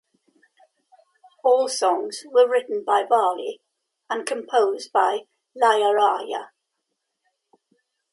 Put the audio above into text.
All songs were written by Vaali and composed by Ilaiyaraaja.